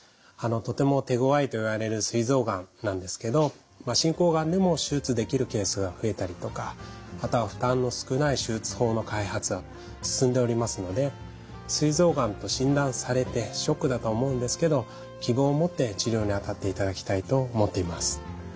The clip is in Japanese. とても手ごわいといわれるすい臓がんなんですけど進行がんでも手術できるケースが増えたりとかまた負担の少ない手術法の開発は進んでおりますのですい臓がんと診断されてショックだとは思うんですけど希望を持って治療にあたっていただきたいと思っています。